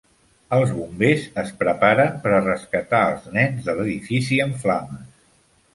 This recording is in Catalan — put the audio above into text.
Els bombers es preparen per a rescatar als nens de l'edifici en flames.